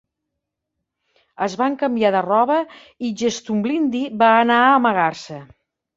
Es van canviar de roba i Gestumblindi va anar a amagar-se.